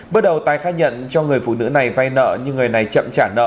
bước đầu tái khai nhận cho người phụ nữ này vay nợ nhưng người này chậm trả nợ